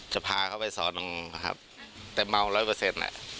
จะพาเขาไปสอนแต่เมา๑๐๐อะ